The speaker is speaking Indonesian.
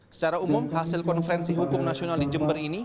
secara umum hasil konferensi hukum nasional di jember ini